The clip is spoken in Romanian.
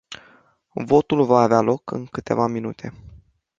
Votul va avea loc în câteva minute.